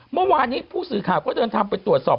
เมื่อวานนี้ผู้สื่อข่าวก็เดินทางไปตรวจสอบ